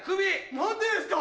何でですか！